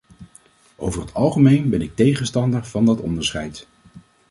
Over het algemeen ben ik tegenstander van dat onderscheid.